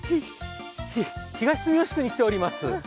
東住吉区に来ております。